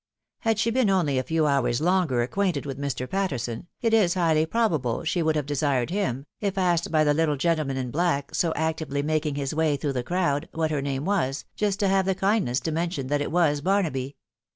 Had she been only a few hours longer acquainted with Mr. Patterson, it is highly probable she would have desired him, if asked by the little gentleman in black, so actively making his way through the crowd, what her name was, just to have the kindness to mention that it was Barnaby.